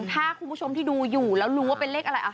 ถ้าคุณผู้ชมที่ดูอยู่แล้วรู้ว่าเป็นเลขอะไร